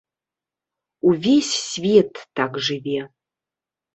Увесь свет так жыве!